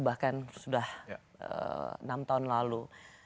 bahkan sudah enam tahun lalu